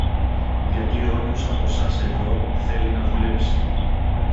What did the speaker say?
γιατί όποιος από σας εδώ θέλει να δουλέψει